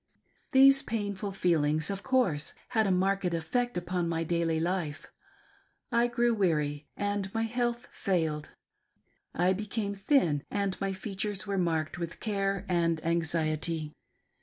These painful feelings, of course, had a marked effect upon my daily life. I grew weary, and my health failed, I became thin, and my features were marked with care and anxiety.